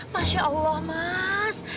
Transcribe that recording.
masya allah mas